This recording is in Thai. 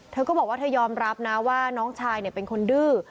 เธอก็บอกว่าเธอยอมรับนะว่าน้องชายเป็นคนดื้อ